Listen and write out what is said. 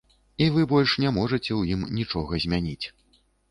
І вы больш не можаце ў ім нічога змяніць.